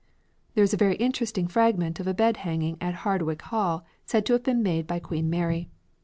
There is a very interesting fragment of a bed hanging at Hardwick Hall said to have been made by Queen Mary.